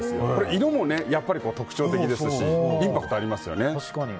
色も特徴的ですしインパクトありますよね。